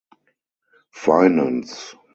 Finance.